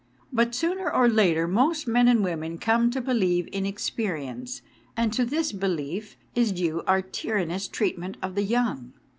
But sooner or later most men and women come to believe in experience, and to this belief is due our tyrannous treatment of the young.